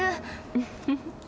ウッフフ。